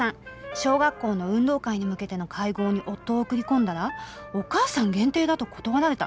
「小学校の運動会に向けての会合に夫を送り込んだらお母さん限定だと断られた」。